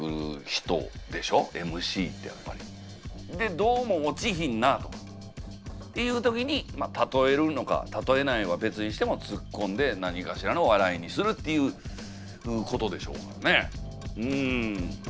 でどうも落ちひんなとっていう時にまあたとえるのかたとえないは別にしてもツッコんで何かしらの笑いにするっていうことでしょうからねうん。